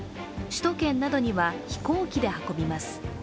首都圏などには飛行機で運びます。